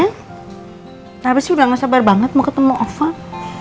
kenapa sih udah gak sabar banget mau ketemu ovan